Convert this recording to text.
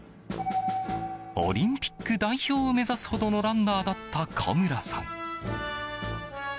オリンピック代表を目指すほどのランナーだった古村さん。